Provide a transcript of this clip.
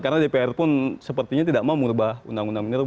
karena dpr pun sepertinya tidak mau mengubah undang undang menerba